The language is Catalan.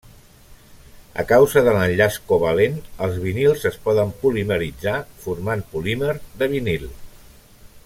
A causa de l'enllaç covalent, els vinils es poden polimeritzar, formant polímer de vinil.